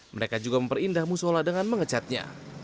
mereka juga memperindah musola dengan mengecatnya